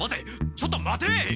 ちょっと待て！